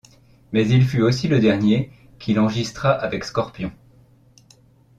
Mais il fut aussi le dernier qu'il enregistra avec Scorpions.